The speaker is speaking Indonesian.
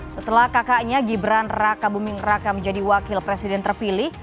setelah kakaknya gibran raka buming raka menjadi wakil presiden terpilih